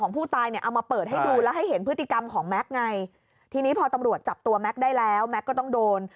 ผู้ตายเนี่ยเอามาเปิดให้ดูแล้วให้เห็นพฤติกรรมของแม็กซ์ไงทีนี้พอตำรวจจับตัวแม็กซ์ได้แล้วแก๊กก็ต้องโดน